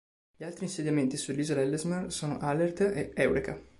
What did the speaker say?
Gli altri insediamenti sull'Isola Ellesmere sono Alert e Eureka.